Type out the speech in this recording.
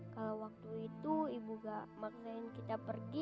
kalau waktu itu ibu gak maknain kita pergi